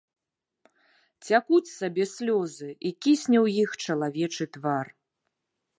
Цякуць сабе слёзы, і кісне ў іх чалавечы твар.